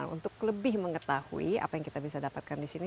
untuk lebih mengetahui apa yang kita bisa dapatkan di sini